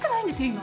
今。